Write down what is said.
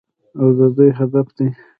او د دوی هدف دی.